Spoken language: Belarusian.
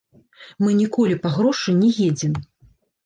Мы ніколі па грошы не едзем.